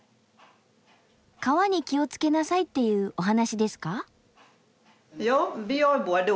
川に気をつけなさいっていうお話ですか？